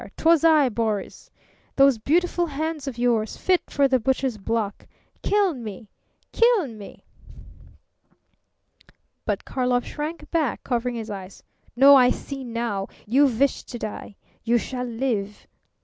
'Twas I, Boris!... Those beautiful hands of yours, fit for the butcher's block! Kill me! Kill me!" But Karlov shrank back, covering his eyes. "No! I see now! You wish to die! You shall live!"